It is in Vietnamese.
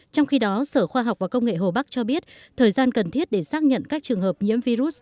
trong khi đó sở khoa học và công nghệ hồ bắc cho biết thời gian cần thiết để xác nhận các trường hợp nhiễm virus